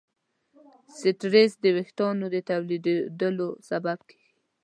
سټرېس د وېښتیانو د تویېدلو سبب کېږي.